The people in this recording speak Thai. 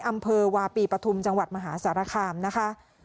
อำเภอวาปีปฐุมจังหวัดมหาสารคามนะคะ